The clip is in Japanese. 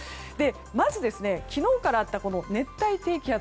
まず昨日からあった熱帯低気圧。